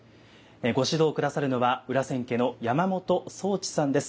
ご指導下さるのは裏千家の山本宗知さんです。